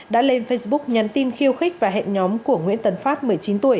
đã lên facebook nhắn tin khiêu khích và hẹn nhóm của nguyễn tấn phát một mươi chín tuổi